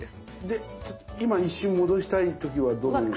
で今一瞬戻したい時はどういう？